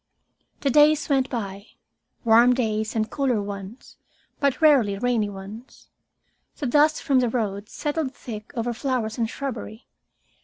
The days went by, warm days and cooler ones, but rarely rainy ones. The dust from the road settled thick over flowers and shrubbery.